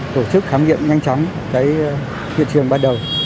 tổ chức khám nghiệm nhanh chóng cái hiện trường ban đầu